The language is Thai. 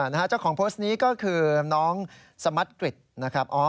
นะฮะเจ้าของโพสต์นี้ก็คือน้องสมัสกฤทธิ์นะครับ